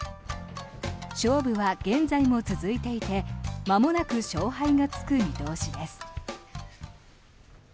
勝負は現在も続いていてまもなく勝敗がつく見通しです。